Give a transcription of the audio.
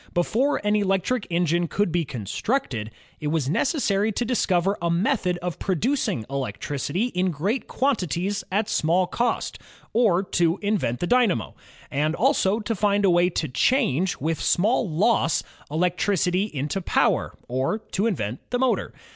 Before an electric engine could be constructed, it was necessary to discover a method of producing electricity in great quantities at small cost, or to invent the dynamo; and also to find a way to change, with small loss, elec tricity into power, or to invent the motor.